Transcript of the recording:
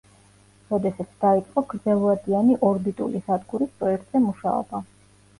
როდესაც დაიწყო გრძელვადიანი ორბიტული სადგურის პროექტზე მუშაობა.